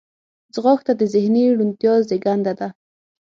ځغاسته د ذهني روڼتیا زیږنده ده